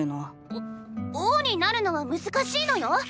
お王になるのは難しいのよ！